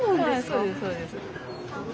そうですそうです。